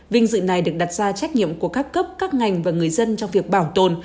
vinh dự này được đặt ra trách nhiệm của các cấp các ngành và người dân trong việc bảo tồn